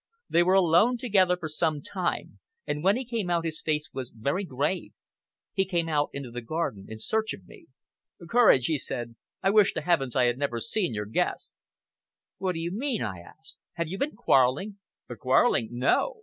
They were alone together for some time, and when he came out his face was very grave. He came out into the garden in search of me! "Courage," he said, "I wish to heavens I had never seen your guest!" "What do you mean?" I asked. "Have you been quarrelling?" "Quarrelling, no!